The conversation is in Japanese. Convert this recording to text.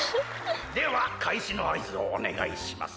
ではかいしのあいずをおねがいします。